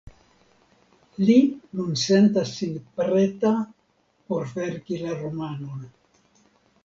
Li nun sentas sin preta por verki la romanon.